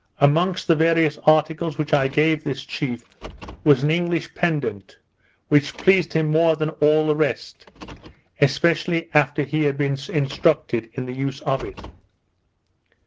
Amongst the various articles which I gave this chief, was an English pendant, which pleased him more than all the rest, especially after he had been instructed in the use of it.